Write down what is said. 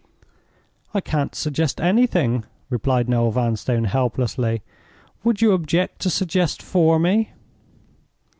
"I can't suggest anything," replied Noel Vanstone, helplessly. "Would you object to suggest for me?"